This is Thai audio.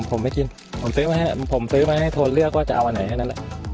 ผมไม่กินผมซื้อไว้ให้ผมซื้อไว้ให้โทนเลือกว่าจะเอาอันไหนแค่นั้นแหละ